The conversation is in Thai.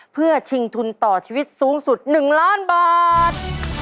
เพื่อชิงทุนต่อชีวิตสูงสุด๑ล้านบาท